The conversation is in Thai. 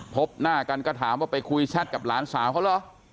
พบหน้ากันก็ถามว่าไปคุยแชทกับหลานสาวเขาเหรอ